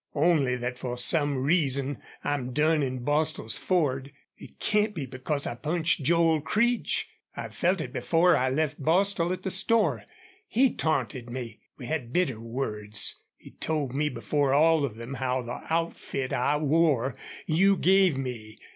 "Only that for some reason I'm done in Bostil's Ford. It can't be because I punched Joel Creech. I felt it before I met Bostil at the store. He taunted me. We had bitter words. He told before all of them how the outfit I wore you gave me.